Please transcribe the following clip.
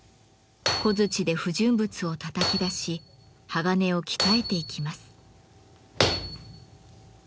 小づちで不純物をたたき出し鋼を鍛えていきます。